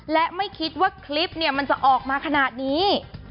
และไม่คิดว่าคลิปมันจะออกมาขนาดนี้